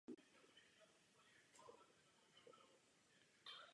Původně v obci byly dvě církevní stavby.